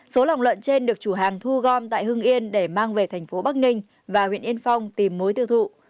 số lòng lợn trên được chủ hàng thu gom tại hương yên để mang về thành phố bắc ninh và huyện yên phong tìm mối tiêu thụ